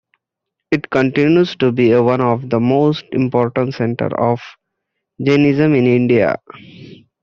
It continues to be one of the most important centers of Jainism in India.